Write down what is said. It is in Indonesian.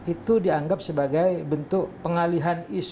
itu dianggap sebagai bentuk pengalihan isu